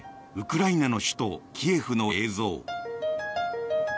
ウクライナの首都キエフの映像。